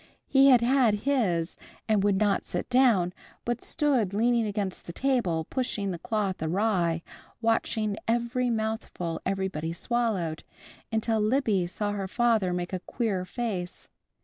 He had had his, and would not sit down, but stood leaning against the table, pushing the cloth awry, watching every mouthful everybody swallowed, until Libby saw her father make a queer face.